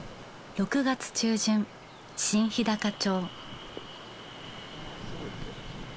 ６月中旬新ひだか町。